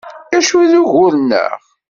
D acu i d ugur-nneɣ?